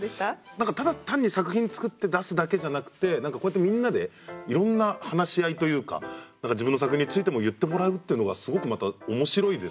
何かただ単に作品作って出すだけじゃなくて何かこうやってみんなでいろんな話し合いというか自分の作品についても言ってもらうっていうのがすごくまた面白いですね。